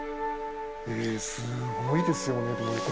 すごいですよね。